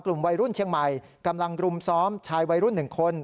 วัยรุ่นเชียงใหม่กำลังรุมซ้อมชายวัยรุ่น๑คน